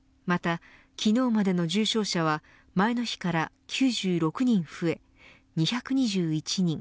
また、昨日までの重症者は前の日から９６人増え２２１人。